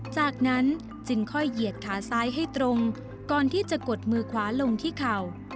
จากนั้นจึงค่อยเหยียดขาซ้ายให้ตรงก่อนที่จะกดมือขวาลงที่เข่า